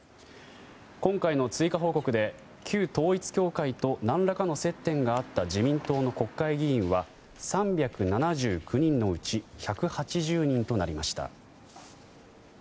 今回の追加報告で旧統一教会と何らかの接点があった自民党の国会議員は３７９人のうち１８０人となりました。